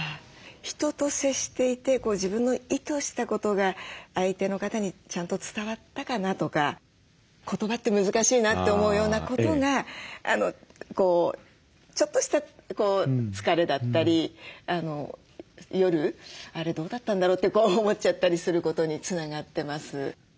人と接していて自分の意図したことが相手の方にちゃんと伝わったかなとか言葉って難しいなって思うようなことがちょっとした疲れだったり夜あれどうだったんだろう？って思っちゃったりすることにつながってます。